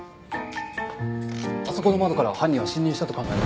あそこの窓から犯人は侵入したと考えられます。